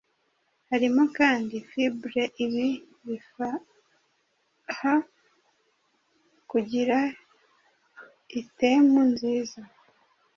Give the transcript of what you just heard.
Harimo kandi fibre Ibi bifaha kugira iitemu nziza